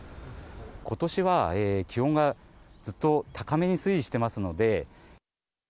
ことしは気温がずっと高めに推移してますので。